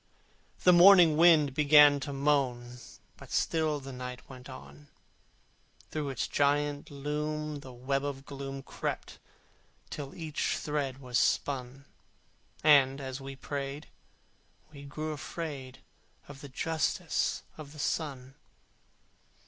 The morning wind began to moan, But still the night went on: Through its giant loom the web of gloom Crept till each thread was spun: And, as we prayed, we grew afraid Of the Justice of the Sun.